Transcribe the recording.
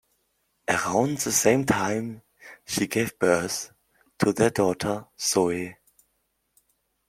Around the same time, she gave birth to their daughter, Zoe.